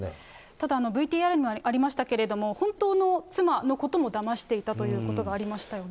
ただ、ＶＴＲにもありましたけれども、本当の妻のこともだましていたということもありましたよね。